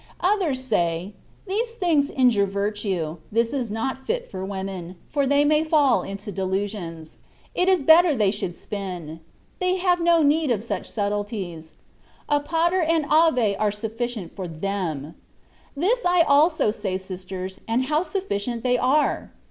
Others say, ^^ These things injure virtue ; this is not fit for women, for they may fall into delu sions ; it is better they should spin ; they have no need of such subtilties: a Pater and Ave are sufficient for them" This I also say, sisters, aJid how sufficient are they